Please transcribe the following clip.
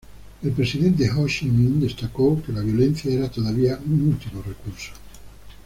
El presidente Hồ Chí Minh destacó que la violencia era todavía un último recurso.